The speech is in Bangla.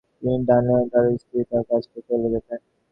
তিনি ডানেডিনে তার স্ত্রীর কাছে চলে যেতেন।